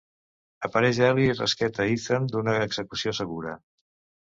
Apareix Elli i rescata Ethan d'una execució segura.